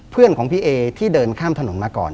เพื่อนของพี่เอที่เดินข้ามถนนมาก่อน